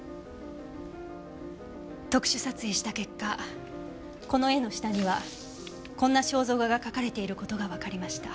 特殊撮影した結果この絵の下にはこんな肖像画が描かれている事がわかりました。